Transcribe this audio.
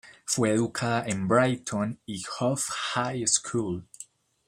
Fue educada en Brighton y Hove High School.